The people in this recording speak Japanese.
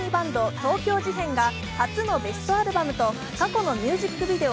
東京事変が初のベストアルバムと過去のミュージックビデオ